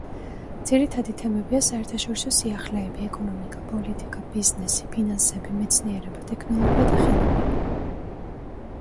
ძირითადი თემებია საერთაშორისო სიახლეები, ეკონომიკა, პოლიტიკა, ბიზნესი, ფინანსები, მეცნიერება, ტექნოლოგია და ხელოვნება.